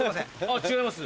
あ違います